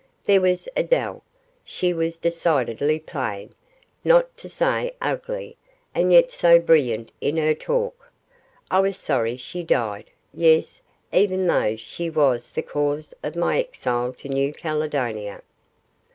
There was Adele, she was decidedly plain, not to say ugly, and yet so brilliant in her talk. I was sorry she died; yes, even though she was the cause of my exile to New Caledonia.